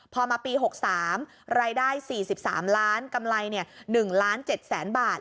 พอมาปี๖๓รายได้๔๓ล้านกำไร๑ล้าน๗แสนบาท